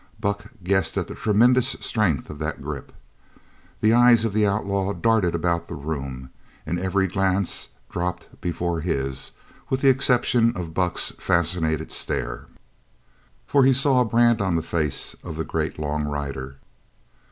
Buck guessed at the tremendous strength of that grip. The eyes of the outlaw darted about the room, and every glance dropped before his, with the exception of Buck's fascinated stare. For he saw a brand on the face of the great long rider.